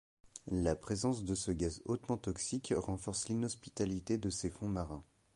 La présence de ce gaz hautement toxique renforce l’inhospitalité de ces fonds marins.